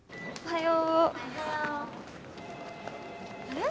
おはよう。